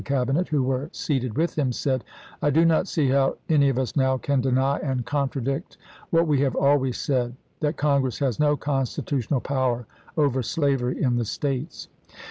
Cabinet who were seated with him, said: "I do not see how any of us now can deny and contradict what we have always said, that Congress has no constitutional power over slavery in the States."